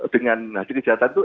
dengan hasil kesehatan itu